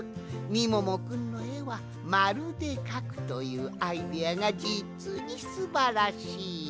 みももくんのえはまるでかくというアイデアがじつにすばらしい。